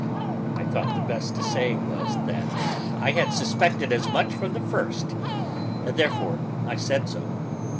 I thought the best thing to say was, that I had suspected as much from the first. Therefore I said so.